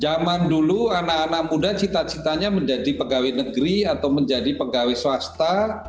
zaman dulu anak anak muda cita citanya menjadi pegawai negeri atau menjadi pegawai swasta